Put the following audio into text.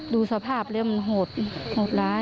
ดูสภาพเลยเหมือนโหดร้าย